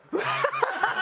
ハハハハ！